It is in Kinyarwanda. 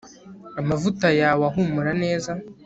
amavuta yawe ahumura neza